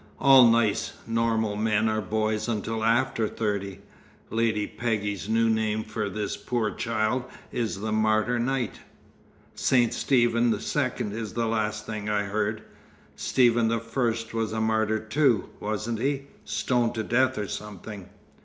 "All nice, normal men are boys until after thirty. Lady Peggy's new name for this poor child is the Martyr Knight." "St. Stephen the Second is the last thing I heard. Stephen the First was a martyr too, wasn't he? Stoned to death or something."